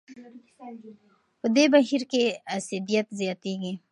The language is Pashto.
په دې بهیر کې اسیدیت زیاتېږي.